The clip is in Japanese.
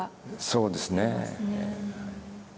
そうですね。